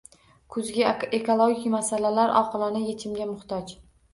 Kuzgi ekologik masalalar oqilona yechimga muhtoj